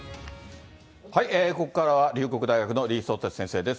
ここからは、龍谷大学の李相哲先生です。